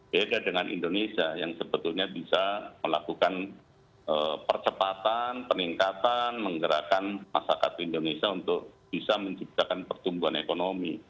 beda dengan indonesia yang sebetulnya bisa melakukan percepatan peningkatan menggerakkan masyarakat indonesia untuk bisa menciptakan pertumbuhan ekonomi